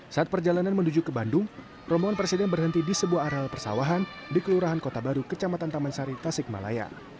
saat perjalanan menuju ke bandung rombongan presiden berhenti di sebuah areal persawahan di kelurahan kota baru kecamatan taman sari tasikmalaya